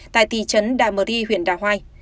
tại thị trấn đạ mờ ri huyện đạ hoai